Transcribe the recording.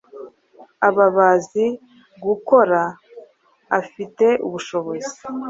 aba azi gukora, afite ubushobozi